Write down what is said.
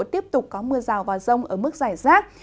tiếp tục có mưa rào và rông ở mức giải rác